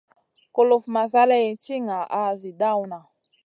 Kulufn ma zaleyn ti ŋaʼa zi dawna.